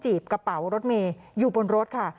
กระเป๋ารถเมย์อยู่บนรถค่ะ